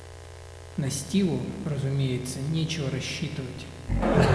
На Стиву, разумеется, нечего рассчитывать.